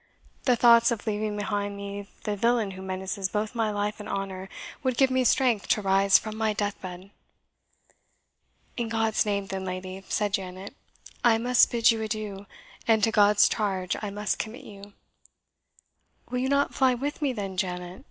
The thoughts of leaving behind me the villain who menaces both my life and honour would give me strength to rise from my deathbed." "In God's name, then, lady," said Janet, "I must bid you adieu, and to God's charge I must commit you!" "Will you not fly with me, then, Janet?"